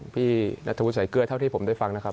พี่นัทธวุสายเกลือเท่าที่ผมได้ฟังนะครับ